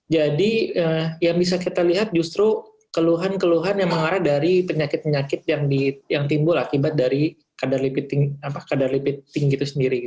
jadi yang bisa kita lihat justru keluhan keluhan yang mengarah dari penyakit penyakit yang timbul akibat dari kadar lipid tinggi itu sendiri